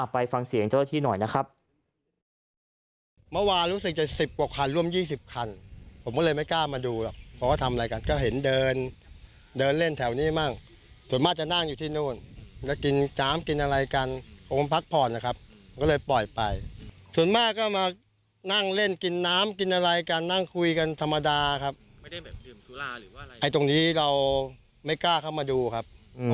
ไปฟังเสียงเจ้าหน้าที่หน่อยนะครับ